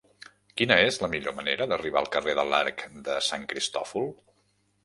Quina és la millor manera d'arribar al carrer de l'Arc de Sant Cristòfol?